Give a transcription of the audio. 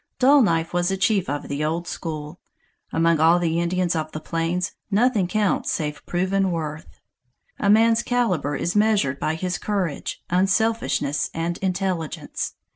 Dull Knife was a chief of the old school. Among all the Indians of the plains, nothing counts save proven worth. A man's caliber is measured by his courage, unselfishness and intelligence.